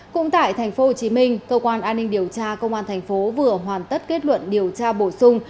cũng tại tp hcm cơ quan an ninh điều tra công an thành phố vừa hoàn tất kết luận điều tra bổ sung